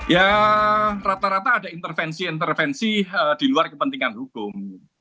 ya rata rata ada intervensi intervensi di luar kepentingan hukum